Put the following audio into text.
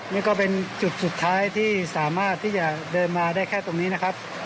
นี่ก็เป็นจุดสุดท้ายที่สามารถที่จะเดินมาได้แค่ตรงนี้นะครับ